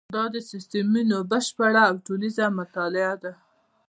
دا د سیسټمونو بشپړه او ټولیزه مطالعه ده.